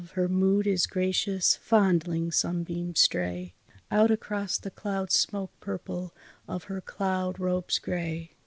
Her mood is gracious, fondling sunbeams stray Out across the cloud smoke purple of her cloud robes gray.